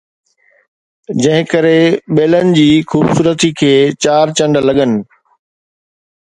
جنهن ڪري ٻيلن جي خوبصورتي کي چار چنڊ لڳن